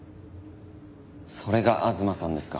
それが吾妻さんですか。